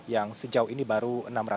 yang sejauh ini baru enam ratus enam puluh enam